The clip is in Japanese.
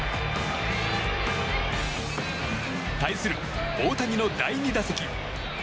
対する大谷の第２打席。